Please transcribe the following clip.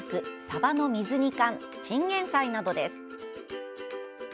さばの水煮缶チンゲンサイなどです。